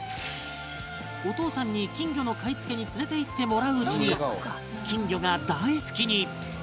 お父さんに金魚の買い付けに連れて行ってもらううちに金魚が大好きに！